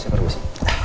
saya perlu sih